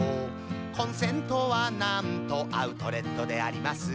「コンセントはなんとｏｕｔｌｅｔであります」